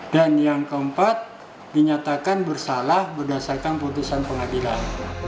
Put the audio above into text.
dan yang keempat dinyatakan bersalah berdasarkan keputusan pengadilan